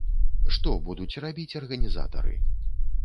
Што будуць рабіць арганізатары?